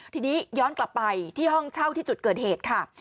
ทีนี้ย้อนกลับไปที่ห้องเช่าที่จุดเกิดเหตุค่ะ